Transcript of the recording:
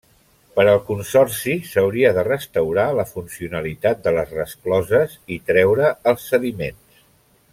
Per al Consorci, s'hauria de restaurar la funcionalitat de les rescloses i treure els sediments.